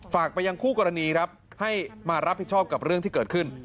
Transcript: ฝากไปยังคู่กรณีครับให้มารับผิดชอบกับเรื่องที่เกิดขึ้น